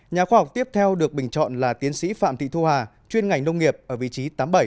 nhà khoa học tiếp theo được bình chọn là tiến sĩ phạm thị thu hà chuyên ngành nông nghiệp ở vị trí tám mươi bảy